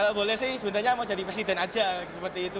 nggak boleh sih sebenarnya mau jadi presiden aja seperti itu